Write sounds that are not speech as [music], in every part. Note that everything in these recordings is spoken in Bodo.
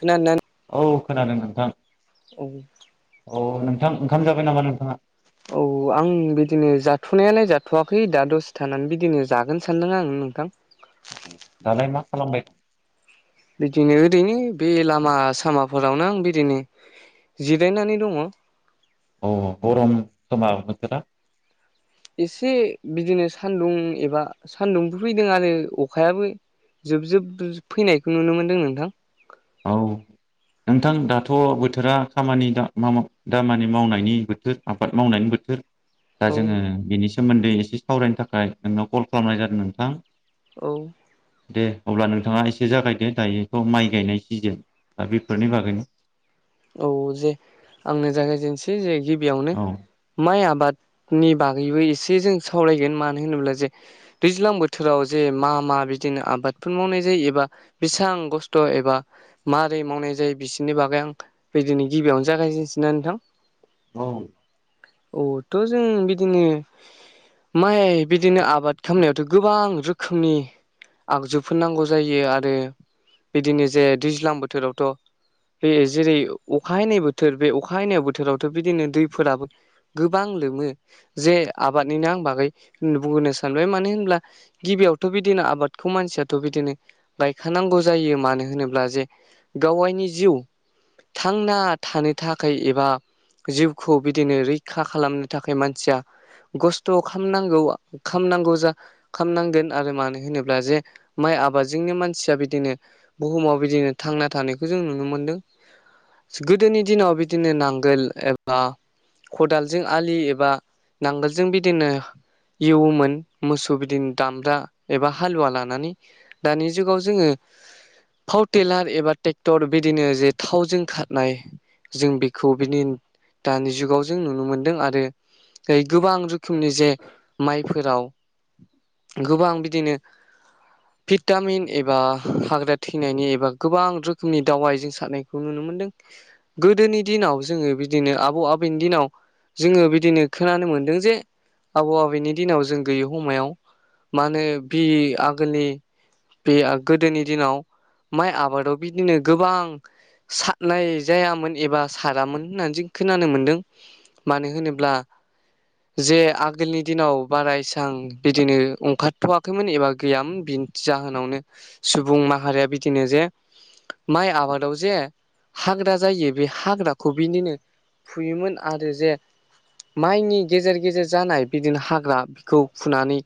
खोनानान औ खोनादों नोंथां औ अ नोंथां ओंखाम जाबाय नामा नोंथाङा? औ आं बिदिनो जाथ'नायालाय जाथ'वाखै दा दसे थानानै बिदिनो जागोन सानदों आं नोंथां दालाय मा खालामबाय? बिदिनो ओरैनो बे लामा सामाफोरावनो आं बिदिनो जिरायनानै दङ अ गरम खोमा बोथोरा एसे बिदिनो सान्दुं एबा सान्दुंबो फैदों आरो अखायाबो जोब जोब फैनायखौ नुनो मोन्दों नोंथां औ नोंथां दाथ' बोथोरा खामानि दामानि मावनायनि बोथोर आबाद मावनायनि बोथोर दा औ जोङो बेनि सोमोन्दै एसे सावरायनो थाखाय नोंनाव कल खालामनाय जादों नोंथां औ दे अब्ला नोंथाङा एसे जागायदो दायोखौ माइ गायनाय सिजोन दा बेफोरनि बागैनो औ जे आंनो जागायजेनसै जे गिबियावनो औ माइ आबादनि बागैबो एसे जों सावरायगोन मानो होनोब्ला जे दैज्लां बोथोराव जे मा मा बिदिनो आबादफोर मावनाय जायो एबा बिसां गस्थ' एबा माबारै मावनाय जायो बिसोरनि बागै आं बेदिनो गिबियावनो जागायजेनसैना नोंथां औ औ थ' जों बिदिनो माइ बिदिनो आबाद खालामनायावथ' गोबां रोखोमनि आगजु फोरनांगौ जायो आरो बिदिनो जे दैज्लां बोथोरावथ' बे जेरै अखा हैनाय बोथोर बे अखा हैनाय बोथोरावथ' बिदिनो दैफोराबो गोबां लोमो जे आबादनिनो आं बागै बुंङोनो सानबाय मानो होनब्ला गिबियावथ' बिदिनो आबादखौ मानसियाथ' बिदिनो गायखानांगौ जायो मानो होनोब्ला जे गावायनि जिउ थांना थानो थाखाय एबा जिउखौ बिदिनो रैखा खालामनो थाखाय मानसिया गस्थ' खालामनांगौ खालामनांगौ जा। खालामनांगोन आरो मानो होनोब्ला जे माइ आबादजोंनो मानसिया बिदिनो। बुहुमाव बिदिनो थांना थानायखौ जों नुनो मोन्दों। गोदोनि दिनाव बिदिनो नांगोल एबा। खदालजों आलि एबा नांगोलजों बिदिनो। एवोमोन मोसौ बिदिनो दामब्रा एबा हालुवा लानानै। दानि जुगाव जोङो फाव टेलार एबा ट्रेक्टर बिदिनो जे थावजों खार नाय जों बेखौ बिनि दानि जुगाव जों नुनो मोनदों आरो गोबां रोखोमनि जे माइफोराव गोबां बिदिनो [inaudible] भिटामिन एबा हाग्रा थैनायनि एबा गोबां रोखोमनि दावाइ जों सारनायखौ नुनो मोन्दों गोदोनि दिनाव जोङो बिदिनो आबौ आबैनि दिनाव जोङो बिदिनो खोनानो मोनदों जे आबौ आबैनि दिनाव जों गैयि हमायाव। मा होनो बि आगोलनि। बे गोदोनि दिनाव माइ आबादाव बिदिनो गोबां सा नाय जायामोन एबा सारामोन होननानै जों खोनानो मोन्दों मानो होनोब्ला जे आगोलनि दिनाव बारासां बिदिनो ओंखारथ'वाखैमोन एबा गैयामोन जाहोनावनो सुबुं माहारिया बिदिनो जे माइ आबादाव जे हाग्रा जायो बे हाग्राखौ बिदिनो फुयोमोन आरो जे माइनि गेजेर गेजेर जानाय बिदिनो हाग्रा बेखौ फुनानै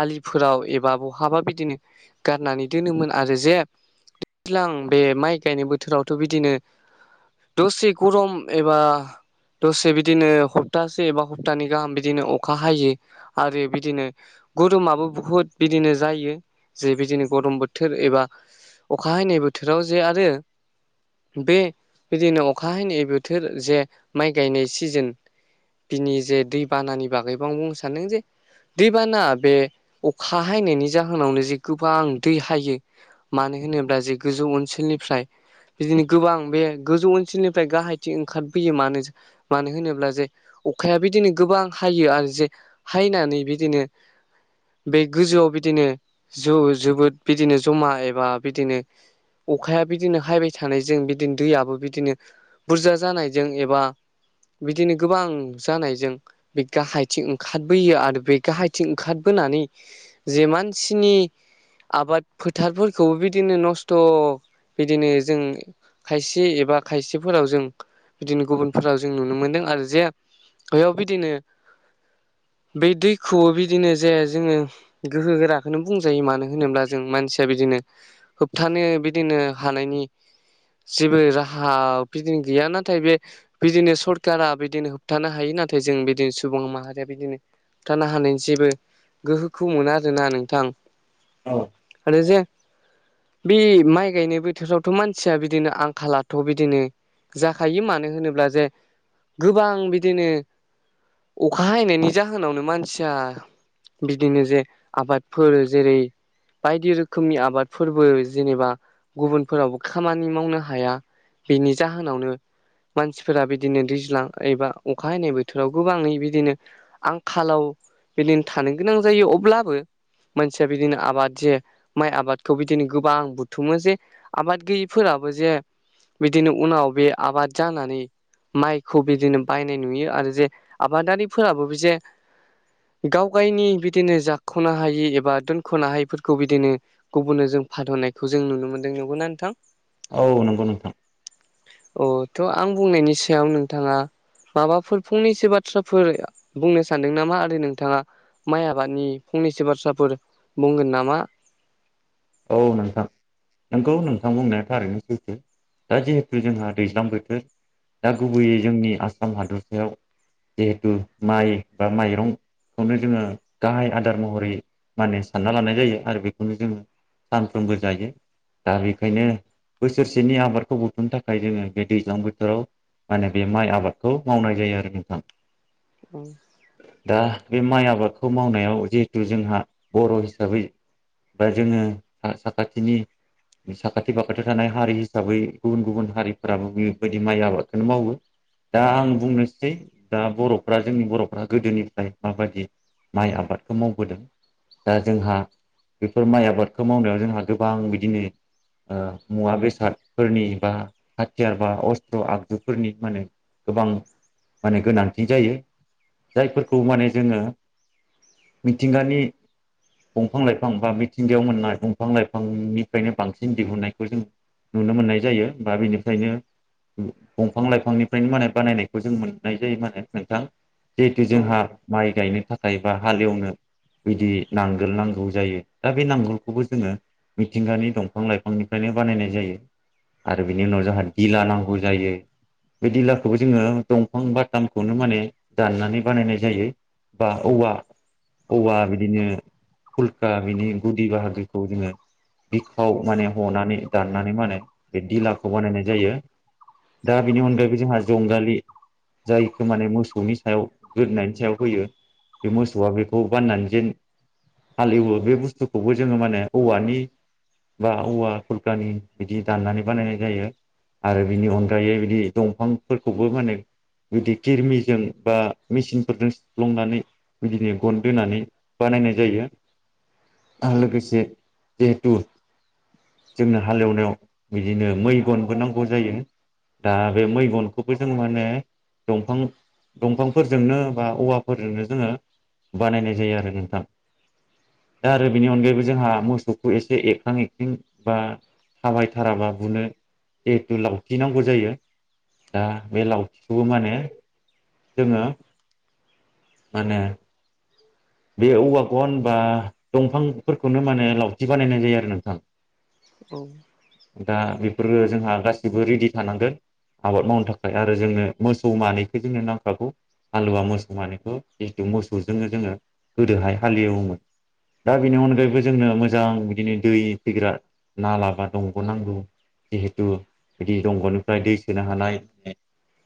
आलिफोराव एबा बहाबा बिदिनो गारनानै दोनोमोन आरो जे दै्लां बे माइ गायनाय बोथोरावथ' बिदिनो दसे गरम एबा दसे बिदिनो सप्तासे एबा हप्तानि गाहाम बिदिनो अखा हायो आरो बिदिनो गरमाबो बुहुत बिदिनो जायो जे बिदिनो गरम बोथोर एबा अख हैनाय बोथोराव जे आरो बे बिदिनो अख हानायै बोथोर जे माइ गायनाय सिजोन बिनि जे दैबानानि बागैबो आं बुंनो सान्दों जे दैबाना बे अखा हायनायनि जाहोनावनो जे गोबां दै हायो मानो होनोब्ला जे गोजौ ओनसोलनिफ्राय बिदिनो गोबां बे गोजौ ओनसोलनिफ्राय गाहायथिं ओंखारबोैयो मानो मानो होनोब्ला जे अखाया बिदिनो गोबां हायो आरो जे हायनानै बिदिनो बे गोजौआव बिदिनो ज जोबोद बिदिनो जमा एबा बिदिनो अखाया बिदिनो खायबाय थानायजों बिदिनो दैयाबबो बिदिनो बुरजा जानायजों एबा बिदिनो गोबां जानायजों बे गाहायथिं ओंखारबोयो आरो बे गाहायथिं ओंखारबोनानै जे मानसिनि आबाद फोथारफोरखौबो बिदिनो नस्थ' बिदिनो जों खायसे एबा खायसेफोराव जों बिदिनो गुबुनफोराव जों नुनो मोनदों आरो जे बेयाव बिदिनो बे दैखौबो बिदिनो जाया जोङो गोहो गोराखौनो बुंजायो मानो होनोब्ला जों मानसिया बिदिनो होबथानो बिदिनो हानायनि जेबो राहा बिदिनो गैया नाथाय बे बिदिनो सरकारा बिदिनो होबथानो हायो नाथाय जों बिदिनो सुबुं माहारिया बिदिनो होबथानो हानायनि जेबो गोहोखौ मोना आरोना नोंथां औ आरो जे बे माइ गायनो बोथोराव मानसिया बिदिनो आंखालाथ' बिदिनो जाखायो मानो होनोब्ला जे गोबां बिदिनो अखा हनायनि जाहोनावनो मानसिया बिदिनो जे आबादफोर जेरै बायदि रोखोमनि आबादफोरबो जेनेबा गुबुन फोरावबो खामानि मावनो हाया बेनि जाहोनावनो मानसिफोरा बिदिनो दैज्लां एबा अखा हयनाय बोथोराव गोबाङै बिदिनो आंखालाव बिदिनो थानो गोनां जायो अब्लाबो मानसिया बिदिनो आबाद जे माइ आबादखौ बिदिनो गोबां बुथुमो जे आबाद गैयिफोराबो जे बिदिनो उनाव बे आबाद जानानै माइखौ बिदिनो बायनाय नुयो आरो जे आबादारिफोराबो बे जे गाव गायनि बिदिनो जाख'नो हायि एबा दोनख'नो हायिफोरखौ बिदिनो गुबुननो जों फाहरनायखौ जों नुनो मोन्दों नंगौना नोंथां? औ नंगौ नोंथां अ थ' आं बुंनायनि सायाव नोंथाङा माबाफोर फंनैसो बाथ्राफोर बुंनो सानदों नामा आरो नोंथाङा माइ आबादनि फंनैसो बाथ्राफोर बुंगोन नामा? औ नोंथां नोंगौ नोंथां बुंनाया थारैनो सैथो दा जिहेथु जोंहा दैज्लां बोथोर दा गुबैयै जोंनि आसाम हादरसायाव जिहेथु माइ बा माइरं खौनो जोङो गाहाय आदार महरै माने सानना लानाय जायो आरो बेखौनो जोङो सानफ्रोमबो जायो। दा बेखायनो बोसोरसेनि आबादखौ बुथुमनो थाखाय जोङो बे दैज्लां बोथोराव माने बे माइ आबादखौ मावनाय जायो आरो नोंथां। उम दा बे माइ आबादखौ मावनायाव जिहेथु जोंहा बर' हिसाबै बा जोङो साखाथिनि साखाथि फाखाथियाव थानाय हारि हिसाबै गुबुन गुबुन हारिफ्राबो बेबायदि माइ आबादखौनो मावो। दा आं बुंनोसै दा बर'फ्रा जोंनि बर'फ्रा गोदोनिफ्राय माबायदि माइ आबादखौ मावबोदों दा जोंहा फोर माइ आबादखौ मावनायाव जोंहा गोबां बिदिनो मुवा बेसादफोरनि बा हाथियार बा अस्त्र आगजुफोरनि माने गोबां माने गोनांथि जायो जायफोरखौ माने जोङो मिथिंगानि दंफां लाइफां बा मिथिंगायाव मोननाय दंफां लाइफांनिफ्रायनो बांसिन दिहुननायखौ जों नुनो मोननाय जायो बा बेनिफ्रायनो दंफां लाइफांनिफ्रायनो माने बानायनायखौ जों मोननाय जायो माने नोंथां। जिहेथु औ जोंहा माइ गायनो थाखाय बा हालेवनो बिदि नांगोल नांगौ जायो। दा बे नांगुरखौबो जोङो मिथिंगानि दंफां लाइफांनिफ्रायनो बानायनाय जायो। आरो बिनि उनाव जोंहा गिला नांगौ जायो। बे दिलाखौबो जोङो दंफां बाथामखौनो माने दाननानै बानायनाय जायो। बा औवा औवा बिदिनो फुलखा बिनि गुदि बाहागोखौ जोङो बिखाव माने हनानै दाननानै माने बे दिलाखौ बानायनाय जायो। दा बेनि अनगायैबो जोंहा जंगालि जायखौ माने मोसौनि सायाव गोदनायनि सायाव होयो। बे मोसौआ बेखौ बाननानै जेन हालेवो बे बुस्थुखौबो जोङो माने औवानि बा औवा खुलकानि बिदि दाननानै बानायनाय जायो। आरो बिनि अनगायै बिदि दंफांफोरखौबो माने जुदि किरमिजों बा मेचिनफोरजों सुफ्लंनानै बिदिनो गन दोनानै बानायनाय जायो आरो औ लोगोसे जिहेतु जोंनो हालेवनायाव बिदिनो मै गनबो नांगौ जायो दा बे मै गनखौबो जों माने दंफां दंफांफोरजोंनो बा औवाफोरजोंनो जोङो बानायनाय जायो आरो नोंथां दा आरो बेनि अनगायैबो जोंहा मोसौखौ एसे एरखां एखं बा थाबायथाराबा बुनो दहथु लावथिनांगौ जायो। दा बे लावथिखौबो माने जोङो माने बे औवा गन बा दंफांफोरखौनो माने लावथि बानायनाय जायो आरो नोंथां। औ दा बेफोरफोरखौ जोंहा गासिबो रेडि थानांगोन। आबाद मावनो थाखाय आरो जोंनो मोसौ मानैखो जोंनो नांखागौ हालुवा मोसौ मानखौ जितु मोसौजोंनो जोङो गोदोहाय हालेवोमोन दा बेनि अनगायैबो जोंनो मोजां बिदिनो दै फैग्रा नाला बा दंग' नांगौ जिहेतु बिदि दंग'निफ्राय दै सोनो हानाय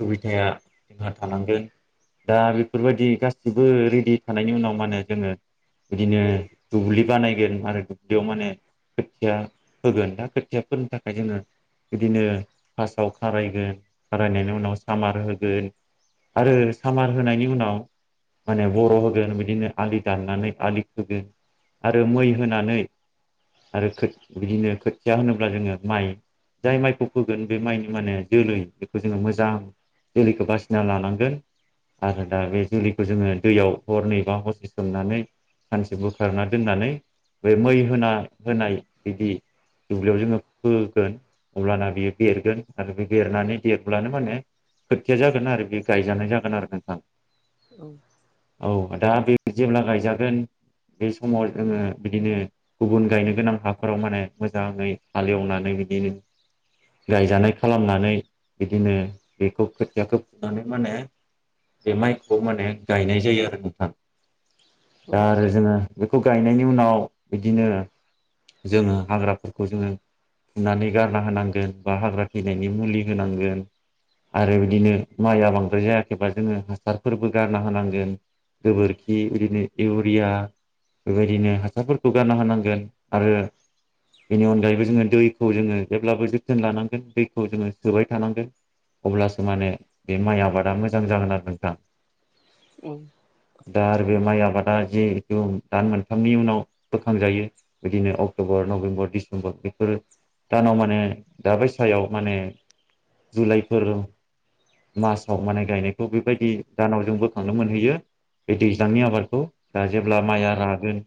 सुबिधाया जोंहा थानांगोन दा बेफोरबायदि गासिबो रेडि थानायनि उनाव माने जोङो बिदिनो दुब्लि बानायगोन आरो दुब्लियाव माने खोथिया होगोन दा खोथिया फोनो थाखाय जोङो बिदिनो फार्स्टआव खारायगोन खारायनायनि उनाव सामार होगोन आरो सामार होनायनि उनाव माने बर' होगोन बिदिनो आलि दाननानै आलि खोगोन आरो मै होनानै आरो खो बिदिनो खोथिया होनोब्ला जोङो माइ जाय माइखौ फोगोन बे माइनि माने जोलै बेखौ जोङो मोजां जोलैखो बासिना लानांगोन आरो दा बे जोलैखौ जोङो दैयाव हरनै बा हरसे सोमनानै सानसे बोखारना दोननानै बे मै होना होनाय बिदि दुब्लियाव जोङो फोगोन अब्लाना बियो देरगोन आरो बे देरनानै देरब्लानो माने खोथिया जागोन आरो बे गायजानाय जागोन आरो नोंथां औ औ दा बे जेब्ला गायजागोन बे समाव जोङो बिदिनो गुबुन गायनो गोनां हाफोराव माने मोजाङै हालेवनानै बिदिनो गायजानाय खालामनानै बिदिनो बेखौ खोथियाखौ फुनानै माने बे माइखौ माने गायनाय जायो आरो नोंथां दा आरो जोङो बेखौ गायनायनि उनाव बिदिनो जोङो हाग्राफोरखौ जोङो फुनानै गारना होनांगोन बा हाग्रा थैनायनि मुलि होनांगोन आरो बिदिनो माइआ बांद्राय जायाखैबा जोङो हासारफोरबो गारना होनांगोन गोबोर खि बिदिनो इउरिया बेबायदिनो हासारफोरखौ गारना होनांगोन आरो बेनि अनगायैबो जोङो दैखौ जोङो जेब्लाबो जोथोन लानांगोन दैखौ जोङो सोबाय थानांगोन अब्लासो माने बे माइ आबादा मोजां जागोन आरो नोंथां औ दा आरो बे माइ आबादा जिहेथु दान मोनथामनि उनाव बोखांजायो बिदिनो अक्ट'बर नभेम्बर डिसेम्बर बेफोरो दानाव माने दाबायसायाव माने जुलाइफोर मासाव माने गायनायखौ बेबायदि दानाव जों बोखांनो मोनहैयो बे दैज्लांनि आबादखौ दा जेब्ला माइया रागोन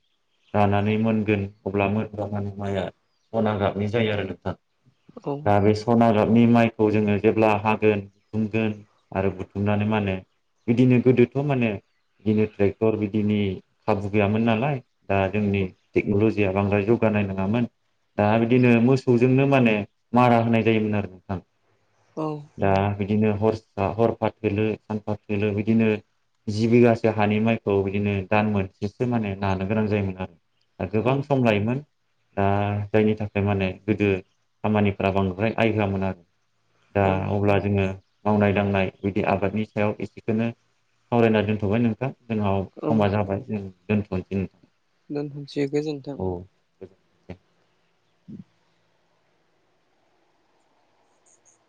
रानानै मोनगोन अब्ला मोन दानि माइया सना गाबनि जायो आरो नोंथां दा बे सनागाबनि माइखौ जोङो जेब्ला हागोन बुथुमगोन आरो बुथुमनानै मा होनो बिदिनो गोदोथ' माने बिदिनो ट्रेक्टर बिदिनि खाबु गैयामोन नालाय दा जोंनि टेक्न'लजि जिया बांद्राय जौगानाय नङामोन दा बिदिनो मोसौजोंनो माने मारा होनाय जायोमोन आरो नोंथां औ दा बिदिनो [unintelligible] हरफा थोलो सानफा थोलो बिदिनो जि बिघा हानि माइखौ बिदिनो दान मोनसेसो माने नानो गोनां जायोमोन आरो दा औ गोबां सम लायोमोन दा जायनि थाखाय माने गोदो खामानिफ्रा बांद्राय आइ होआमोन आरो दा औ अब्ला जोङो मावनाय दांनाय बिदि आबादनि सायाव एसेखोनो सावरायना दोन्थ'बाय नों जोंहाव औ समा जाबाय जों दोन्थ'निसै [unintelligible] दोनथ'सै गोजोनथों। गोजोनथों दे